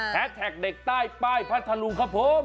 แท็กเด็กใต้ป้ายพัทธลุงครับผม